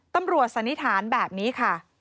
สันนิษฐานแบบนี้ค่ะ